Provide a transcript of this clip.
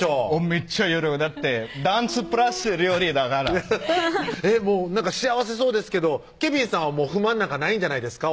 めっちゃ喜ぶだってダンスプラス料理だからなんか幸せそうですけどケヴィンさんは不満なんかないんじゃないですか？